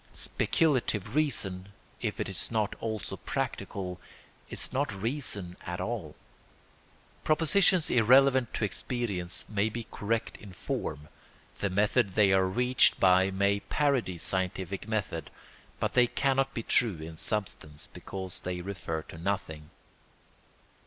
Speculative reason, if it is not also practical, is not reason at all. Propositions irrelevant to experience may be correct in form, the method they are reached by may parody scientific method, but they cannot be true in substance, because they refer to nothing.